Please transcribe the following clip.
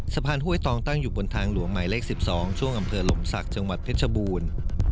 ห้วยตองตั้งอยู่บนทางหลวงหมายเลข๑๒ช่วงอำเภอลมศักดิ์จังหวัดเพชรบูรณ์